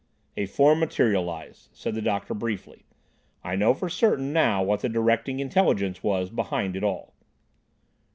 _" "A form materialised," said the doctor briefly. "I know for certain now what the directing intelligence was behind it all."